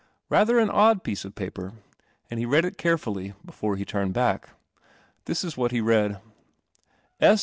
Rather an odd piece of paper, anil he read it carefully ! el re he turned hack. This is what he read : S.